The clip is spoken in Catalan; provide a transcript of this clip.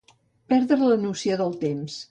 Perdre la noció del temps